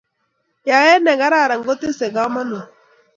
Yaet nekararan kutesei kamanut